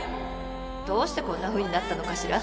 どうしてこんなふうになったのかしら。